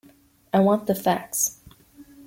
I want the facts.